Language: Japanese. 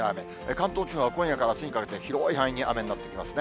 関東地方は今夜からあすにかけて、広い範囲で雨になってきますね。